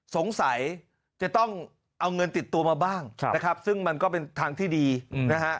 สงสัยจะต้องเอาเงินติดตัวมาบ้างนะครับซึ่งมันก็เป็นทางที่ดีนะฮะ